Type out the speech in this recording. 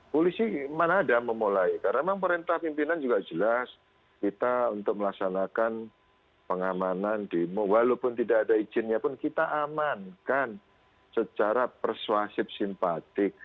polisi mana ada memulai karena memang perintah pimpinan juga jelas kita untuk melaksanakan pengamanan demo walaupun tidak ada izinnya pun kita amankan secara persuasif simpatik